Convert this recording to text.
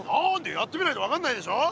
やってみないと分かんないでしょ。